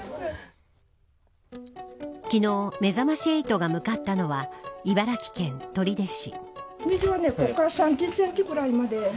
昨日、めざまし８が向かったのは茨城県取手市。